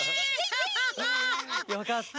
よかった。